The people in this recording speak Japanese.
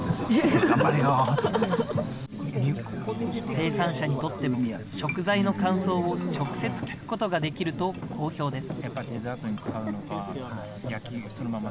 生産者にとっても食材の感想を直接聞くことができると好評です。